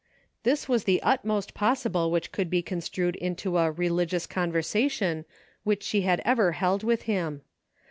This was the utmost possible which could be construed into a "religious conversation" which she had ever held with him.